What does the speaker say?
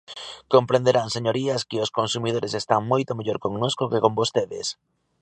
Comprenderán, señorías, que os consumidores están moito mellor connosco que con vostedes.